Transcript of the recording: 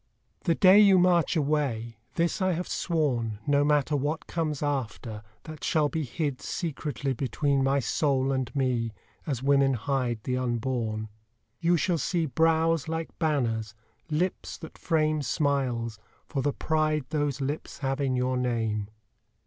The day you march away this I have sworn, No matter what comes after, that shall be Hid secretly between my soul and me As women hide the unborn You shall see brows like banners, lips that frame Smiles, for the pride those lips have in your name.